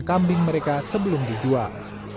kambing mereka sebelum dijual